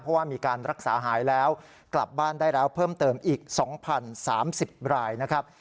เพราะว่ามีการรักษาหายแล้วกลับบ้านได้แล้วเพิ่มเติมอีก๒๐๓๐รายนะครับ